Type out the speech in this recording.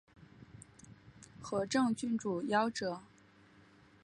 和政郡主夭折。